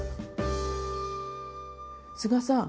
須賀さん